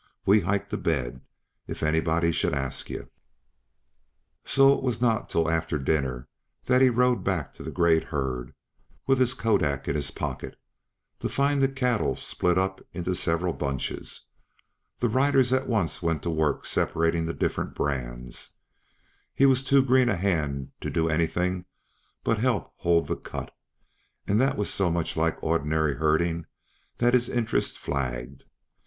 We hike to bed, if anybody should ask yuh." So it was not till after dinner that he rode back to the great herd with his Kodak in his pocket to find the cattle split up into several bunches. The riders at once went to work separating the different brands. He was too green a hand to do anything but help hold the "cut," and that was so much like ordinary herd ing that his interest flagged.